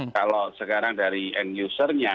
kalau sekarang dari end user nya